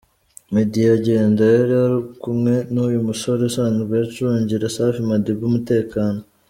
Meddy agenda yari ari kumwe n'uyu musore usanzwe ucungira Safi Madiba umutekano.